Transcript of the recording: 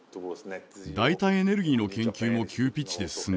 代替エネルギーの研究も急ピッチで進んでいます。